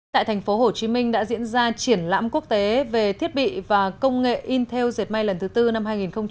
tại tp hcm đã diễn ra triển lãm quốc tế về thiết bị và công nghệ intel diệt may lần thứ tư năm hai nghìn một mươi tám